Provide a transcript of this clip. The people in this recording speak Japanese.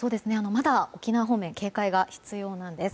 まだ沖縄方面警戒が必要なんです。